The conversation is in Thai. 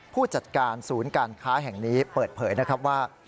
ผู้จัดการศูนย์การค้าแห่งนี้เปิดเผยนะครับว่า